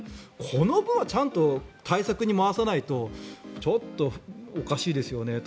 この分は、ちゃんと対策に回さないとちょっとおかしいですよねと。